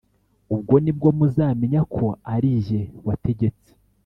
ubwo ni bwo muzamenya ko ari jye wategetse